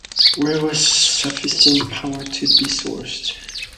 Where was sufficient power to be sourced?